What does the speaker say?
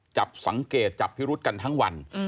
จับสังเกตจับพิรุษกันทั้งวัน